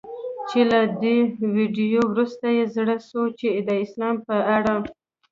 چي له دې ویډیو وروسته یې زړه سوی چي د اسلام په اړه